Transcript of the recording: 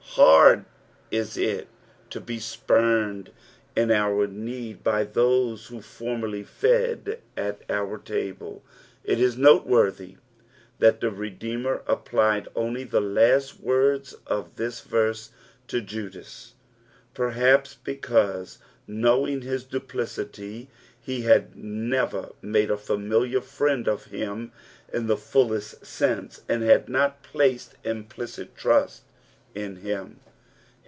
Hard ia it to be spumed in our need by those who formerly fed at our table. It is noteworthy that the Re deemer applied only the last words of this verse to Judas, perhaps because, knowing his duplicity, he had never made a familiar friend of him in the fullest sense, and had not placed implicit trust in him.